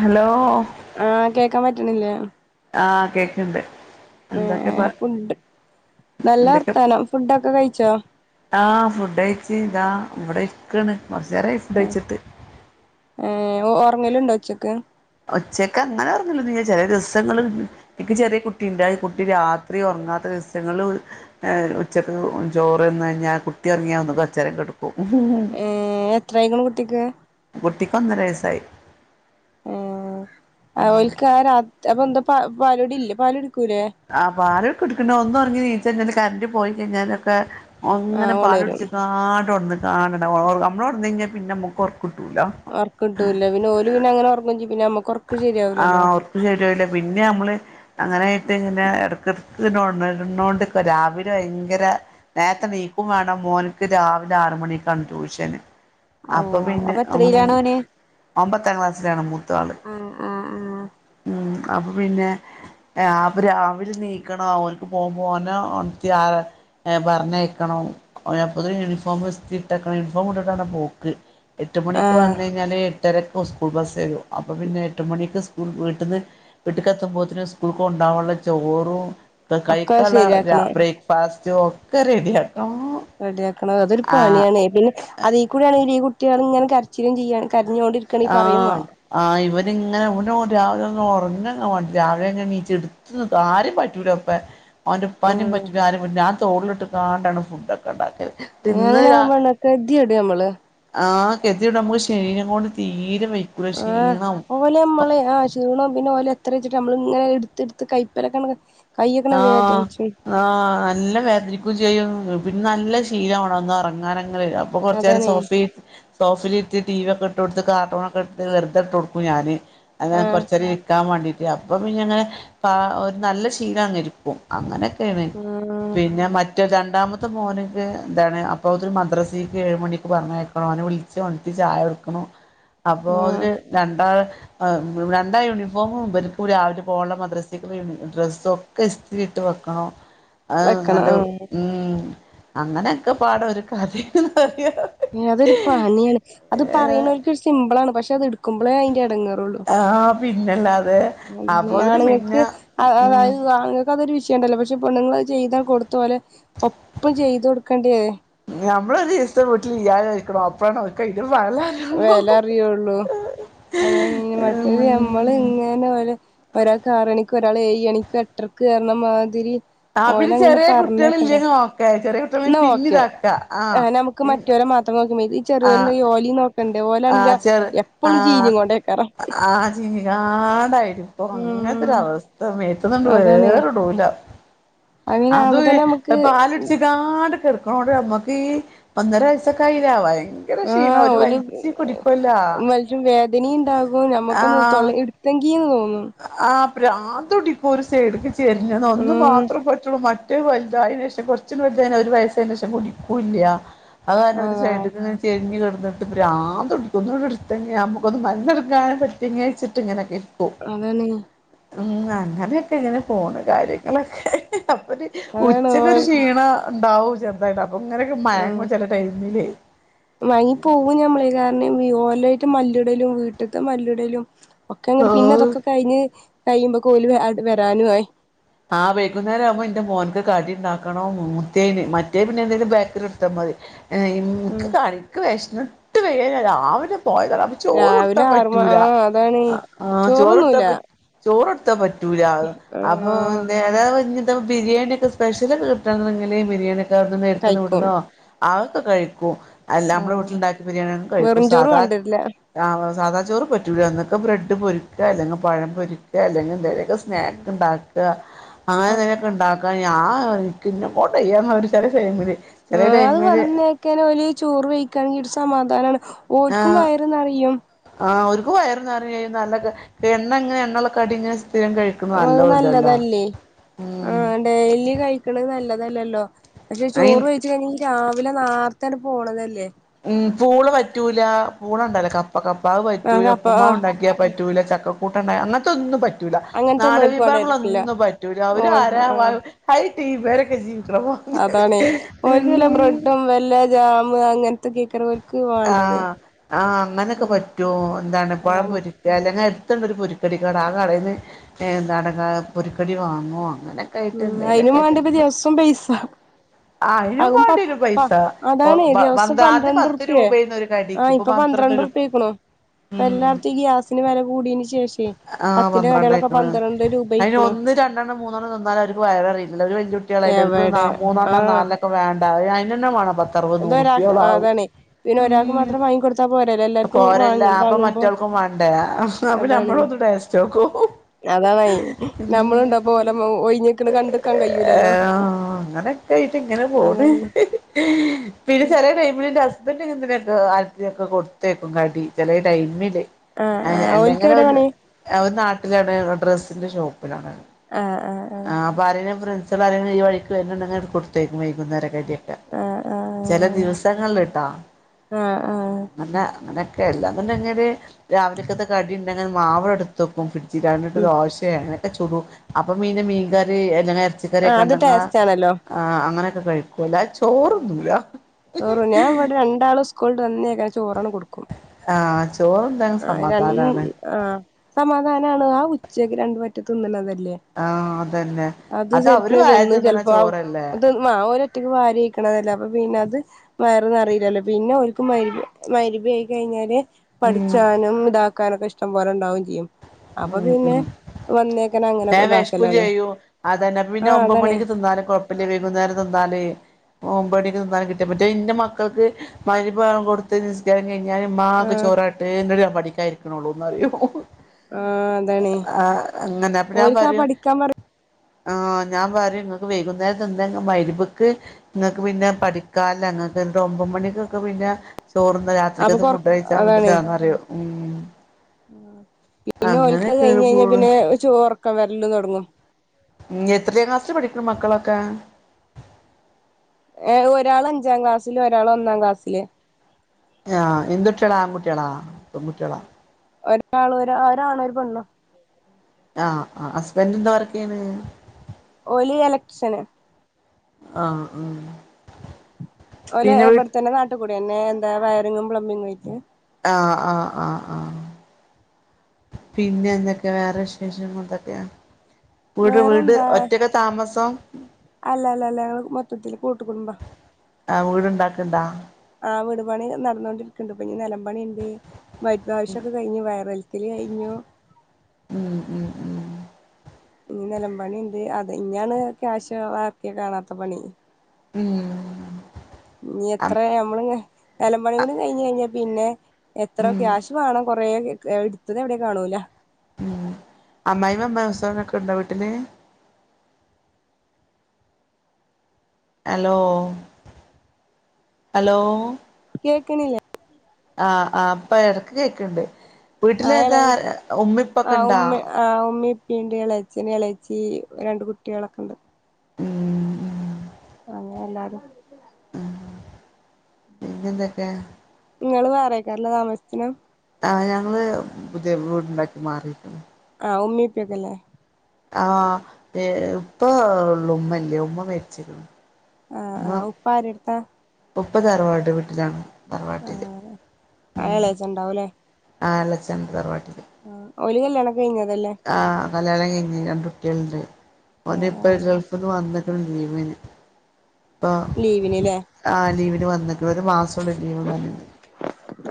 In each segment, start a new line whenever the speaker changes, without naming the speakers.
Hello
ആഹ് കേക്കാ പറ്റ്ണില്ലേ
ആഹ് കേക്ക്ൺണ്ട്
ഏഹ് ഫുഡ്ഡ് നല്ല
എന്തൊക്കെ
വർത്താനം ഫുഡ്ഡൊക്ക കഴിച്ചോ
ആഹ് ഫുഡ്ഡഴിച്ച് ഇതാ ഇവ്ടെ ഇരിക്കാണ് കൊറച്ചേരായി
ഏഹ്
ഫുഡ്ഡഴിച്ചിട്ട്
ഏഹ് ഒറങ്ങലുണ്ടൊ ഉച്ചക്ക്
ഉച്ചക്ക് അങ്ങനെ ഒറങ്ങലൊന്നുല്ല ചെലെ ദിവസങ്ങള് എനിക്ക് ചെറിയ കുട്ടി ഇണ്ട് കുട്ടിണ്ട് രാത്രി ഒറ്ങ്ങാത്ത ദിവസങ്ങൾല് ഉച്ചക്ക് ചോറ്ന്ന് കഴിഞ്ഞാ കുട്ടി ഒറങ്ങ്യ ഒന്ന് കൊറ്ച്ചേരം കെട
ഏഹ് എത്രായിക്കണ് കുട്ടിക്ക്
കുട്ടിക്ക് ഒന്നര വയസ്സായി
ആഹ് ഓൽക്കാരാത് അപ്പെന്താ പാലുടില്ലെ പാലുടിക്കൂലേ
പാലൊക കുടിക്ക്ണ്ട് ഒന്നൊറങ്ങി നീച്ചഴ്ഞ്ഞാല് കറന്റ് കഴിഞ്ഞാലൊക്കെ ഓൻങ്ങന
ആഹ് ഒണരും
പാലുടിച്ച്ങ്ങാണ്ട് ഒൺന്ന്ങ്ങാണ്ടണ് നമ്മളൊൺന്ന് കഴിഞ്ഞ പിന്നെ നമ്മക്ക് ഒർക്കിട്ടൂല
ഒർക്കിട്ടൂല പിന്ന ഓല പിന്നങ്ങന ഒർങ്ങും ചിയ്യും പിന്ന നമ്മ
ആഹ് ഒർക്ക് ശരിയാവില്ല പിന്ന നമ്മള് അങ്ങനൊയിട്ട് ഇങ്ങനെ ഇടക്ക ഇടക്ക്ന്നോണ്ട് രാവിലെ ഭയങ്കര നേരത്തെ നീക്കും വേണം മോനക്ക് രാവിലെ ആറുമണിാണ് ട്യൂഷൻ അപ്പൊ
ഓഹ്
പിന്നെ ഉം
എത്രയിലാണ് ഓന്
ഓൻ പത്താം ക്ലാസ്സിലാണ് മൂത്ത ആള്
ആഹ് ആഹ് ആഹ്
ഉം അപ്പം പിന്നെ അപ്പൊ രാവിലെ നീക്കണോ അവർക്ക് പോകുമ്പോ ന്നെ ആ പറഞ്ഞയക്കണം അപ്പത്തും യൂണിഫോം ഇസ്തിരി ഇട്ടക്കണം യൂണിഫോം ഇട്ടിട്ടാണ് പോക്ക് എട്ട് മണിക്ക്
ആഹ്
വന്ന കഴിഞ്ഞാൽ എട്ടരയ്ക്ക് സ്കൂൾ ബസ് വരും അപ്പോൾ പിന്നെ എട്ട് മണിക്ക് സ്കൂ വീട്ട കത്തുമ്പോത്തനും സ്കൂൾക്ക് കൊണ്ടാകാനുള്ള ചോറും
ഒക്കെ
കൈക്കുള്ള
ശരിയാക്കണം
ബ്രേക്ക്ഫാസ്റ്റും ഒക്കെ റെഡിയാട്ടോ
റെഡിയാക്കണം അതൊരു പണിയാണ് പിന്നെ അതൽ കൂട ആണെങ്ക ഈ കുട്ടികൾ ഇങ്ങനെ കരച്ചിലും ചെയ്യാൻ കരഞ്ഞുകൊണ്ടിരിക്ക
ആഹ് ആഹ് ഇവരിങ്ങനെ ഇവൻ രാവിലെ അ ഉറങ്ങ രാവിലെങ്ങണീറ്റ്ടു ആരെയും പറ്റൂല അവന്റെപ്പനും
ആഹ്
പറ്റൂല ഞാൻ കാണ്ടാണ് ഫുഡ്ക്കെ ഉണ്ടാക്കിയത് തിന്ന്
അങ്ങനെ ആകുമ്പോ കെതിയെട് നമ്മള്
ആഹ് [unintelligible] നമുക്ക് ശരീരം കൊണ്ട് തീരെ വയ്ക്കൂല
ആഹ്
ക്ഷീണവും
ഓലെ നമ്മള് ആഹ് ചീണണം പിന്നെ ഓല എത്രയുംച്ചിട്ട് നമ്മള് ഇങ്ങനെ എടുത്ത്ടുത്ത് കൈപ്പലക്ക
ആഹ് നല്ല വേദനിക്കുകയും ചെയ്യും പിന്നെ നല്ല ശീലമാണ അന്ന് ഇറങ്ങാനങ്ങനെ അപ്പൊ കുറച്ച നേരം
അതാണ്
സോഫ സോഫൽ ഇട്ട് ടി വി ഒക്കെ ഇട്ട് കൊടുത്ത് കാർട്ടൂൺ ഒക്കെ ഇട്ടത്ത് വെറുതെ ഇട്ട് കൊടുക്കുംഞാന് അങ്ങനെ
ആഹ്
കൊറച്ച നേരം ഇരിക്കാൻ വേണ്ടിട്ട് അപ്പൊ പിന്നെ അങ്ങനെ ഒരു നല്ല ശീലം അങ്ങ് ഇരിക്കും അങ്ങനെയൊക്കെയാണ്
ആഹ്
പിന്നെ മ മറ്റേ രണ്ടാമത്തെ മോനൊ എന്താണ് അപ്പോ ഒത്ത മദ്രസക്ക് ഏഴമണിക്ക് പറഞ്ഞയക്കണോ അവനെ വിളിച്ച ണത്തി ചായ ടുക്കണം
ഉം
അപ്പോ ഒര് രണ്ടാ രണ്ടാ യൂണിഫോമും വലപ്പും രാവിലെ പോകണം മദ്രസ്സിക്കുള്ള യ ഡ്ര സൊക്ക ഇസ്ത്തിരി ഇട്ട് വെക്കണം അത്
വെക്കണം
നല്ല
ആഹ്
അങ്ങനെയൊക്കെ പാട ഒരു കഥയ പറയുക
ഏ അതൊരു പാനിയാണ് അത് പറയുന്നവർക്കരു സിമ്പിൾ ആണ് പക്ഷെ അത് എടുക്കുമ്പോളേ അതിറെ അടങ്ങാറുള്ളു
ആഹ് പിന്നെല്ലാതെ
അതന്നെ ആണുങ്ങക്ക് അതായത് അതൊരു വിഷയംണ്ടല്ലോ പക്ഷെ പെണ്ങ്ങൾ ചെയ്താ കൊടുത്തപലെ ഒപ്പം ചെയ്തു കൊടുക്കേണ്ടിേ
ഞമ്മളോരീസം വീട്ടിൽ ഇല്ലാതെ നിക്കണം അപ്പടാണ്
വെല അറിയുള്ളൂ
[unintelligible]
പോലെ ഒരാൾക്ക് ആറണിക്കും ഒരാൾ എയണിക്കും എട്ടരയ്ക്ക് കറണമാതിരി
ആഹ് പിന്നെ ചെറിയ കുട്ടികൾ ഇല്ലെങ്കിൽ നോക്ക ചെറിയ കുട്ടികള
എന്നാ
പിന്നെ ഇതാക്കാ ആ പി
നോക്ക ഈ ചെറിയോല ഓലീ നോക്കണ്ട
ആഹ്
ഓലാണെങ്ക
ചെറ്
എപ്പോഴും ചീഞ്ഞ കൊണ്ടേക്കാ
[unintelligible] ഇപ്പോ അങ്ങനത്തെര
ഉം
അവസ്ഥ
അതാണ് അങ്ങനെ
അത്
ആവുമ്പോ തന്നെ
ഇപ്പ
നമുക്ക്
പാല ഇടിച്ചിക്കാ ട് കടക്കണണ്ട് നമ്മുക്ക് ഈ ഒന്നര വയസക്കയില ആവാമായി
ആഹ് ഓൽ വേദന ഉണ്ടാകും നമുക്കൊന്ന് തൊ എടുത്തെങ്കിന്ന് തോന്നുന്നു
ആഹ് പ്രാന്ത് പിടിക്കും ഒരു സൈഡക്ക് ചേരിഞ്ഞന്ന് ഒന്ന്
ഉം
മാത്രേ പറ്റുള്ളൂ ഏറ്റവും വലുത അതിന ശേഷം കുറച്ച വലുത ഒരു വയസ്സ് അയതിനു ശേഷം കുടിക്കൂല്ല അതാരണം ഒരു
അതാ
സൈഡ ചെരിഞ്ഞഞ് കിടന്നിട്ട് പ്രാന്തു പിടിക്കും ഒന്നുടുത്തങ്ങെ നമുക്കൊന്ന് മലന്നടുക്കാൻ പറ്റും തിങ്ങേഴിച്ചിട്ട്ങ്ങനെ കിട്ടും
അതനെ
ഉം അങ്ങനെയൊക്കെ ഇങ്ങനെ ഫോണ് കാര്യങ്ങളൊക്കെ അപ്പര്
അതാണ്
ഉച്ചക്കൊരു
ഓൽ
ക്ഷീണ ഉണ്ടാവും ചെന്തായിട്ട അപ്പൊ ഇങ്ങനെയൊക്കെ മയങ്ങും ചില ടൈമിലേ
വാങ്ങി പോകു ഞമ്മളെ കാരണംഓലായിട്ട് മല്ലിടലും വീട്ടത്തെ മല്ലിടലും ഒക്കെ അങ്ങ് പിന്നെ
ആഹ്
അതൊക്കെ കഴിഞ്ഞ് കഴിയുമ്പോ ഓല് വരാനു ആയി
ആഹ വൈകുന്നേര ആവുമ്പോ എന്റെ മോനക്ക് കടി ഉണ്ടാക്കണോ മുത്തേന് മറ്റേ പിന്നെ എന്തേിലും ബേക്കറി എടുത്താ മതി എനിക്ക് കണിക്ക് വിശന്നിട്ട് വയ്യ ഞാൻ രാവിലെ പോയതാണ് ചോറ്
രാവിലെ
കൊടുത്താ
ആറ് മ
പറ്റൂല
ആ അതാണ്
ആഹ ചോറ്ടുത്താ
ചോറൊന്നുല്ല
പറ്റ ചോറെടുത്താ പറ്റൂല അപ്പ
ആഹ്
എന്ത അതാ ബരിയാണ ഒക്കെ സ്പെഷ്യല ഒക്ക കിട്ട തുങ്ങല്ലേ ബിരിയാണി ന്ന എടുത്തന്ന് നേരത്തിനു
കഴിക്കും
വിടണോ ആതൊക്കെ കഴിക്കും അല്ല നമ്മുടെ
ആഹ്
വീട്ടിലുണ്ടാക്കിയ ബിരിയാണി കഴിക്കൂ
വെറുംചോറ്
സാധാ
വാണ്ടിവരില്ല
ആഹ സാധാ ചോറ് പറ്റൂല എന്നന്നൊക്കെ ബ്രെഡ് പൊരുക്കുക അല്ലെങ്കിൽ പഴം പൊരിക്കുക അല്ലെങ്കിൽന്ത സ്നാക്ക് ഉണ്ടാക്ക
ആഹ്
അങ്ങനെെയൊക്കെ ഉണ്ടാക്ക ഞാ എനിക്ക്ന്ന പോട്ട ചെയ്യാന്ന ഒരു ചില ചെയ്യില്
ആഹ അത് വന്നേക്കനെല് ചോറ് കഴിക്കാണെങ്കിഒരു സമാധാനാണ് ഓൽക്കും
ആഹ്
വയറ്നറിയും
ആഹ് ഒരുക്ക് വയറ് നറീം നല്ല എണ്ണ ഇങ്ങനെ എണ്ണള്ള കടി ഇങ്ങനെ സ്ഥിരം കഴിക് ക്ക്‌
അത്
നല്ല അല്ലല്ല
നല്ലതല്ലേ ആഹ് ഡെയിലി കഴിക്കണത് നല്ലതല്ലല്ലോ പക്ഷെ ചോറ്
അയിന്
വെയ് രാവിലെ നാറത്താണ് പോണതല്ലെ
ഉം പൂള് പറ്റൂല പൂളണ്ടല്ല കപ്പ കപ്പാഅത്
ആഹ്
പറ്റൂല
അപ്പ
ഉപ്പ്മാവ് ഇണ്ടാക്കിയാ
ആഹ്
പറ്റൂല ചക്കക്കൂട്ടുണ്ട അങ്ങനത്തെ ഒന്നും പറ്റ പറ്റൂല
അങ്ങനത്തൊന്നും ഓൽക്ക്
നാടവിഭവങ്ങള
വേണ്ടായിരിക്കില്ല
ഒന്നും പറ്റൂല അവര്
ഓൽ
ആരാ
ആഹ്
ഹൈ ടീമേരെക്കെ ജീവിക്കണപോ
അതാണെ ഓൽക്കല്ല ബ്രെഡും വല്ല ജാമ് അങ്ങനത്തെ കേക്കറ ഓൽ
ആഹ് ആഹ് അങ്ങനൊക്കെ പറ്റോ എന്താണ് പഴം
അതാണ്
പോരി ക്ക അലങ്കി എടുത്തണ്ടൊരു പോരിക്കടിക്കട ആഹ കടയിൽ നിന്ന് എന്താട പോരുക്കടി വാങ്ങുവ
ഉം അയിനും വേണ്ടപ്പ ദിവസം പൈസ
ആഹ് അയിനും
ആതും പത്
വേണ്ടിവരും
പ
പൈസ
അതാണെ ദിവസം
പന്ത്ര ആദ്യം
പന്ത്രണ്ട് പന്ത്രണ്ട്
പത്ത്
റുപ്പെ
രൂപേന്ന് ഒരു കടിക്ക്
ആഹ ഇപ്പൊ പന്ത്രണ്ട്
രൂപ
റുപ്യയ്ക്ണു ഇപ്പൊ
ഉം
എല്ലാടത്തും ഈ ഗ്യാസിന് വില കൂടീന് ശേഷേ
ആഹ്
പത്തിന്റെ കടളൊക്കെ
പന്ത്രണ്ടായിക്ക്ണ്
പന്ത്രണ്ട് രൂപ
അയിന്
അയ്ക്കുണു
ഒന്ന് രണ്ടെണ്ണം മൂന്നെണ്ണം തിന്നാലെ അവർ വയറ റിയില്ല ഒരു വല്യേ കുട്ട്യാളായിനാ
എവടെ
മൂന്നെണ്ണം
ആഹ്
നാലണ്ണേക്കെ വേ അയ്നന്നെ വേണം പത്
ഇത്ഓരാൾ അഹ അതാണ് പിന്നെ ഒരാൾക്ക്
ഉം
മാത്രം വാങ്ങി കൊടുത്ത ചാ പോരല്ല എല്ലാർക്കും
പോരല്ല
വാങ്ങ
അപ്പൊ
വാങ്ങുമ്പോ
മറ്റോൾക്കും വേണ്ടേ അപ്പൊ
അതാണ്
നമ്മളൊന്ന് ടേസ്റ്റോക്കും
അതാണായി നമ്മളുണ്ടാ പോലെ ഒഴിഞ്ഞക്കണകണ്ടക്കാൻ കഴിയൂലല്ലോ
അങ്ങനെക്കെ ആയിട്ട് ഇങ്ങനെ പോണ്
അതാണ്
പിന്നെ ചെറ ടൈമിലിന്റെ ഹസ്ബന്റ് ഇങ്ങനെതന്നെ ട്ടോ ആടിയോക്കെ കൊടു ക്കും കാടി ചെല ഡൈമില്
ആഹ് ആഹ് ഓൽക്ക്
അല്ലെങ്ങനെ
എവിടെ
ഒരു
പണി
അവര് നാട്ടിലാഎവിടെ ഡ്രസ്സിന്റെ ഷോപ്പിലാണ്
ആഹ് ആഹ് ആഹ്
ആഹ് അപ്പ ആരേലും ഫ്രെണ്ട്സെള് ആരെങ്കിലും ഈ വഴിക്ക് വെര്ന്ണ്ടെങ്ങെ ആണ്ട് കൊട്ത്തെയ്ക്കും വൈകുന്നേരെക്കെ അയ്റ്റേ
ആഹ് ആഹ്
ചെല ദിവസങ്ങൾള്ട്ടാ
ആഹ് ആഹ്
അങ്ങനെ അങ്ങനെയൊക്കെ എല്ലാന്ന്ണ്ടെങ്ങെല് രാവിലെക്കത്തെ കടിണ്ടെങ്ങെ മാവ് ഇട്ത്തെക്കും ഫ്രഡ് ജ്ല് അതോണ്ട് രണ്ട്
ഉം
ദോശേ അങ്ങനെയൊക്കെ ചുടും അപ്പൊ പിന്നെ മീൻകറി എങ്ങനെ
ആഹ്
എർച്ചിക്കറിയൊക്കെ
അത്
ഇണ്ടെങ്ങാ
ടേസ്റ്റ്
അഹ് ആഹ് അങ്ങനെയൊക്കെ കഴിക്കും അല്ലാതെ ചോ
ചോറു ഞാൻ ഇവടെ രണ്ടാള് സ്കൂൾട്ട് വന്നേക്കെന്നെ ചോറാണ് കൊട്ക്കും
ആഹ് ചോറ് ഇന്ടെങ്ങെ സമാധാനാണ്
ആഹ് സമാധാനാണ് ആ ഉച്ചക്ക് രണ്ട് വറ്റ് തിന്ന്ണതല്ലേ
ആഹ് അതന്നെ
അത്
അവര്
സെര്ക്ക്ന്
വാരി
തിന്നും
തിന്നണ
ചെൽപ്പൊ അവ്
ചോറല്ലേ
ത്ത്ന്നാ ഓല് ഒറ്റക്ക് വാരി വെയ്ക്ക്ണതല്ലെ അപ്പ പിന്നെ അത് വയറ് നെറീലല്ലോ പിന്നെ ഒല്ക്ക് മഹ് മഹ് രിബേയി കഴിഞ്ഞാല്
ഉം
ച്ചാനും ഇതാക്കാനൊക്കെ ഇഷ്ടം പോലെ ഇണ്ടാവും ചിയ്യും
ഉം ഉം വേം വെശക്കും
ഇതാക്കലാണ്
ചെയ്യും അതെന്നെ അപ്പ പിന്നെ
ആ
ഒമ്പത്
അതാണേ
മണിക്ക് തിന്നാലും കൊഴ് ല്ല്യ വെയ്കുന്നേരം തിന്നാല് ഒമ്പണിക്ക് തിന്നാനും കിട്ട്യാ മറ്റേത് ഇന്റെ മക്കൾക്ക് മഹ് രിബ് ബാങ്ക് കൊട് ത്ത് നിസ്കാരം കഴിഞ്ഞാല് ഇമ്മാ
ആ
ക്ക് ചോറ്കാട്ട് ന്നട്ട് ഞാൻ പഠിക്കാൻ ഇര്ക്ക്ണൊള്ളുന്ന് പറയും
ആ അതാണേ
ആഹ് അങ്ങനെ അപ്പൊ ഞാൻ
ഓൽക്ക് ആ
പറയും
പഠിക്കാൻ പറ
ആഹ് ഞാൻ പറയും ഇങ്ങക്ക് വൈകുന്നേരം തിന്നെങ്ങെ മഹ് ര്ബ്ക്ക് ഇങ്ങക്ക് പിന്നെ പഠിക്കാല്ല ഇങ്ങക്ക് ഇന്നട്ട് ഒമ്പത് മണിക്കൊക്കെ പിന്നെ ചോറ്ന്നാ
അപ്പൊ
രാത്രിക്കത്തെ
കൊറ
ഫുഡ്‌ കഴിച്ചാ
അതാണേ
മതിയല്ലാന്ന് പറയും ഉം
പിന്നെ ഓൽക്ക് അത്‌
അങ്ങനെയൊക്കേണ്
കഴിഞ്ഞ് കഴിഞ്ഞ
പോണ്
പിന്നെ ചോ ഒർക്കം വെര്ലും തൊടങ്ങും
ഉം എത്രേം ക്ലാസ്സിലാ പഠിക്ക്ണ് മക്കളൊക്കെ
ഏഹ് ഒരാള് അഞ്ചാം ക്ലാസ്സിലു ഒരാള് ഒന്നാം ക്ലാസ്സില്
ഇഹ് ആഹ് എന്ത് കുട്ട്യാളാ ആൺകുട്ട്യാളാ പെൺകുട്ട്യാളാ
ഒരാള് ഒരാ ആഹ് ഒരാണും ഒരുപെണ്ണും
ആഹ് ആഹ് ഹസ്ബൻഡ് എന്താ വർക്കെയ്യ്ണ്
ഓല് എലക്ട്രിഷ്യന്
ആഹ് ആഹ്
ഓല്
പിന്നെ വീ
ഇവെട്ത്തെന്നെ നാട്ട്കൂടിയെന്നെ എന്താ വയറിങ്ങും പ്ലംബിങ്ങും അയ്റ്റ്
ആഹ് ആഹ് ആഹ് ആഹ് പിന്നെ എന്തൊക്കെയാ വേറെ വിശേഷങ്ങള് എന്തൊക്കെയാ വീട് വീട്
വേറെന്താ
ഒറ്റക്കാ താമസം
അല്ല അല്ല അല്ല ഞങ്ങള് മൊത്തത്തില് കൂട്ട് കുടുംബ
ആഹ് വീട് ഇണ്ടാക്ക്ണ്ടാ
ആഹ് വീട് പണി നടന്നോണ്ടിരിക്ക്ണ്ട് ഇപ്പ ഇഞ് നെലംപണി ഇണ്ട് വൈറ്റ്വാഷ് ഒക്കെ കഴിഞ്ഞ് വയറ് വൽ ച്ചെല് കഴിഞ്ഞു
ഉം ഉം ഉം
ഇഞ് നെലം പണി ഇണ്ട് അതെ ഇഞാണ് ക്യാഷ് ചെലവാക്കിയ കാണാത്ത പണി
ഉം ഉം ഉം
ഇഞ് എത്രെ ഞമ്മള് ഇഞ് നെലംപണിം കൂടി കഴിഞ്ഞ് കഴിഞ്ഞ പിന്നെ എത്ര
ഉം
ക്യാഷ് വാണം കൊറേ ക് ഇട്ത്തെത് എവ്ടെ കാണൂല
ഉം അമ്മായിമ്മിം അമ്മോസനൊക്കെ ഇണ്ടോ വീട്ട്ല് ഹലോ ഹലോ
കേക്ക്ണ്ല്ലേ
ആഹ് ആ. ഇപ്പൊ എടക്ക് കേക്ക്ണ്ട്.
ആ
വീട്ടിലെന്താ ഉമ്മി ഇപ്പൊക്കെ ഇണ്ടാ.
ആഹ് ഉമ്മി എളച്ചന് എളെച്ചി രണ്ട് കുട്ട്യേളൊക്കെ ഇണ്ട്.
ഉം.
അങ്ങനെ എല്ലാരും.
പിന്നെ എന്തൊക്കെ.
ഇങ്ങള് വേറെക്കാരലെ താമസിച്ചിനി.
ആഹ് ഞങ്ങള് പുതിയ വീട്ണ്ടാക്കി മാറിയിരിക്കുന്നു.
ആഹ് ഉമ്മി ഇപ്പക്കല്ലെ.
ആഹ് ഇപ്പ ഒള്ളു. ഉമ്മ മരിച്ചിക്ക്ണ്.
ആഹ്. ആഹ്. ഉപ്പാരട്ത്ത.
ഉപ്പ തറവാട്ട് വീട്ടിലാണ്. തറവാട്ടില്.
ആഹ് ആഹ്
ഉം.
എളേച്ചൻ ഉണ്ടാവൂല്ലേ
ആഹ് എലചണ്ട് തറവാട്ടില്.
ആഹ്. ഓല് കല്യാണം കഴിഞ്ഞതല്ലേ?
ആഹ് കല്യാണം കഴിഞ്ഞ് രണ്ട് കുട്ട്യേള്ണ്ട്. ഓന്
ആഹ്
ഇപ്പം
ആഹ്
ഗൾഫ് ഇന്ന് വന്ന്ക്ക്ണ് ലീവന് ഇപ്പൊ
ലീവിന്ല്ലെ.
ആഹ് ലീവിന് വന്നിക്ക്ണ്. ഒരു മാ സൊള്ളു ലീവ് തന്ന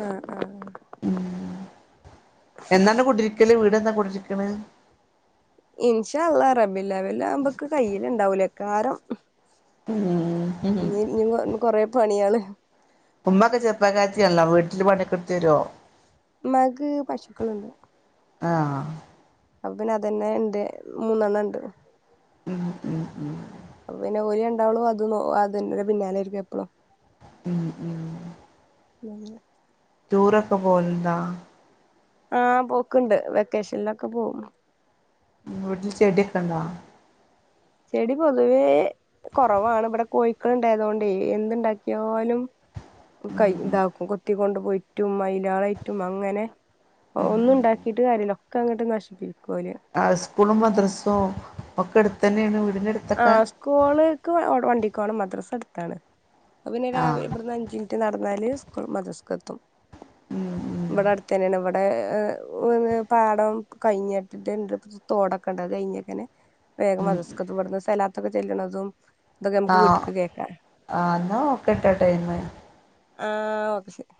ആഹ് ആഹ്.
എന്നാണ് കുടിരിക്കല്. വീടെന്താ കുടിരിക്ക്ണ്.
ഇനിഷാ അള്ള. റബില്ല വല്ലാവുമ്പക്കെ കയ്ല് ഇണ്ടാവൂലേ കാരം.
ഉം
ഇഞ് ഇഞ് കൊറെ പയ്യാണ്.
ഉമ്മെക്കെ ചെർപ്പക്കാത്ത്യാണല്ലൊ. വീട്ടില് പണിക്കെടുത്ത് തരു
ഉമ്മാക്ക് പശുക്കളുണ്ട്
ആഹ്‌.
അപ്പ പിന്നെ അതന്നെ ഇണ്ട് മൂന്നണ്ണം ഇണ്ട്.
ഉം ഉം ഉം
അപ്പ പിന്നെ ഓര് രണ്ടാളും അത് ഓ അതിന്റെ പിന്നാലെയാരിക്കും എപ്പളും
ഉം. ഉം
നന്നെ
ടൂറ്റൊക്ക പോവല് ഇണ്ടാ.
ആഹ് പോക്ക്ണ്ട്. വെക്കേഷനിലൊക്കെ പോവും
വീട്ടിൽ ചെട്യാെക്കെ ഇണ്ടാ
ചെടി പൊതുവേ കൊറവാണ് ഇവിടെ കോഴിക്കളിണ്ടായതോണ്ടേ എന്ത്‌ണ്ടാക്ക്യായാലും ബു കൈ ഇതാക്കും കൊത്തിക്കൊണ്ട് പോയിറ്റും മൈലായിറ്റും അങ്ങനെ ഒ ഒന്നും ഇണ്ടാക്കീട്ട് കാര്യല്ല. ഒക്കെ അങ്ങട്ട് നശിപ്പിക്കുവോല്
ആഹ് സ്കൂളും, മദ്രസോം, ഒക്ക ഒക്ക അടുത്തന്നെയാണ് വീടിന്റെ അടു
ആഹ്‌ സ്കൂള്ക്ക് വ ഒ വണ്ടിക്ക് പോണം മദ്രാസി അടുത്താണ് അപ്പ പിന്നെ രാവിലെ
ആഹ്
ഇവിടുന്ന് അഞ്ച് റ്റ് നടന്നാല് സ്ക് മദ്രസക്ക് എത്തും
ഉം ഉം
ഇവിടെ അടുത്ത്‌ തന്നെയാണ് ഇവ ടെ ഏഹ് പാടം കഴിഞ്ഞിട്ട് തോടൊക്കണ്ട അത് കഴിഞ്ഞക്കനെ വേഗം മദ്രസക്കെത്തും ഇവിടുന്ന് സലാത്തൊക്കെ ചെല്ലണതും ഇതൊക്കെ നമുക്ക് വീട്ടിക്ക് കേക്കാം
ആ എന്നാ ഒക്കെട്ടൊയ്ന്ന്
ആഹ്‌ ഓക്കെ ശെരി